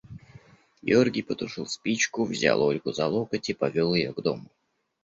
Георгий потушил спичку, взял Ольгу за локоть и повел ее к дому.